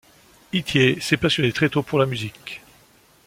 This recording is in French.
Ithier s'est passionné très tôt pour la musique.